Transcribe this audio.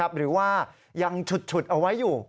หรือว่ายังฉุดเอาไว้อยู่